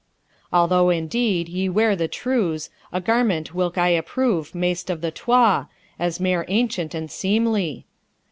Although, indeed, ye wear the trews, a garment whilk I approve maist of the twa, as mair ancient and seemly.'